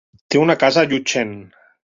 Té una casa a Llutxent.